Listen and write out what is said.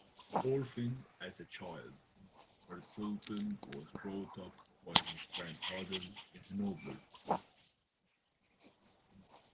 Orphaned as a child, Hartleben was brought up by his grandfather in Hanover.